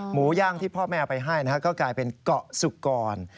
หมูย่างที่พ่อแม่เอาไปให้ก็กลายเป็นเกาะสุกร